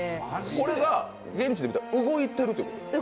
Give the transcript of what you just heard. これが現地で見たら動いているということですか？